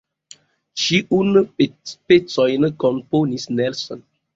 Ĉiun pecojn komponis Nelson.